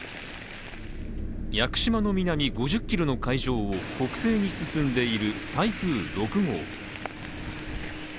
屋久島の南５０ｋｍの海上を北西に進んでいる台風６号。